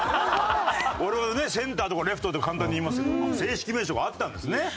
我々はねセンターとかレフトとか簡単に言いますけど正式名称があったんですね。